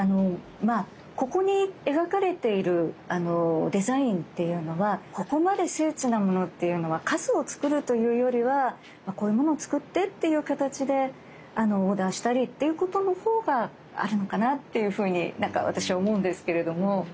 ここに描かれているデザインっていうのはここまで精緻なものっていうのは数を作るというよりは「こういうものを作って」っていう形でオーダーしたりっていうことのほうがあるのかなっていうふうになんか私は思うんですけれども。